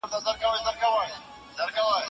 موږ له خطا زدکړه کوو